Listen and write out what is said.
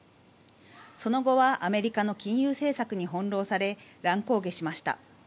その後はアメリカの金融政策に翻ろうされ乱高下しました。